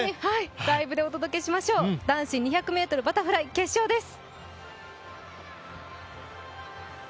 ライブでお届けしましょう、男子２００ｍバタフライ決勝です。